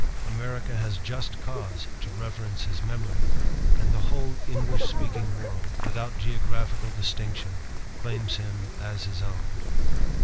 America has just cause to reverence his memory; and the whole English speaking world, without geographical distinction, claims him as its own.